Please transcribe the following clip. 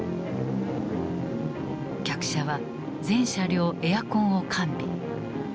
客車は全車両エアコンを完備。